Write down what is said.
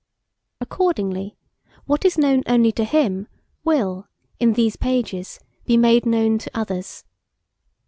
Accordingly, what is known only to him, will, in these pages, be made known to others.